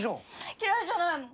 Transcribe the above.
嫌いじゃないもん。